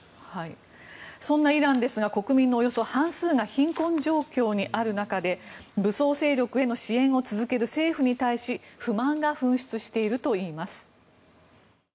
そんなイランですが国民のおよそ半数が貧困状況にある中で武装勢力への支援を続ける政府に対し不満が噴出しているといいます。